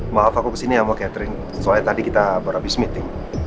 maaf aku kesini sama catherine soalnya tadi kita baru habis meeting